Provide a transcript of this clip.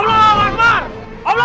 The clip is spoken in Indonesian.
tidak ada yang akan mendengar kamu